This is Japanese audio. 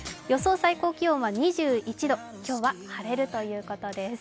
最高気温は２１度、今日は晴れるということです。